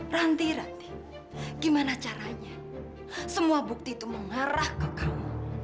ranti ranti gimana caranya semua bukti itu mengarah ke kamu